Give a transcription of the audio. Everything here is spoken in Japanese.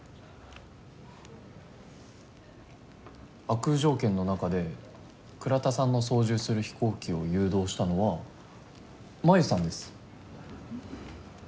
悪条件の中で倉田さんの操縦する飛行機を誘導したのは真夢さんです。